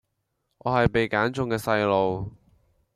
我係被選中嘅細路⠀⠀